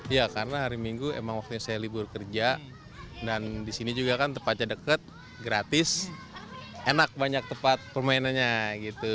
ya karena hari minggu emang waktunya saya libur kerja dan disini juga kan tempatnya deket gratis enak banyak tempat permainannya gitu